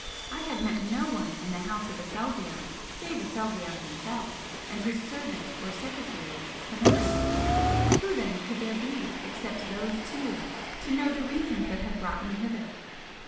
I had met no one in the House of Aselzion save Aselzion himself and his servant or secretary Honorius, who then could there be except those two to know the reasons that had brought me hither?